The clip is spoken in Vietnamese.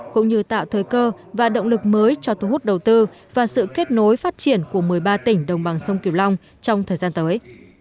cũng như tạo thời cơ và động lực mới cho thu hút đầu tư và sự kết nối phát triển của một mươi ba tỉnh đồng bằng sông kiều long trong thời gian tới